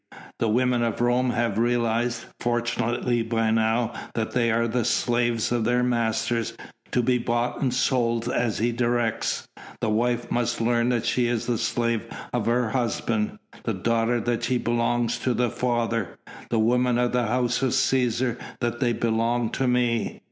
The women of Rome have realised, fortunately by now, that they are the slaves of their masters, to be bought and sold as he directs. The wife must learn that she is the slave of her husband, the daughter that she belongs to the father; the women of the House of Cæsar that they belong to me."